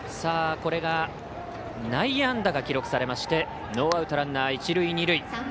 これが内野安打が記録されましてノーアウト、ランナー、一塁二塁。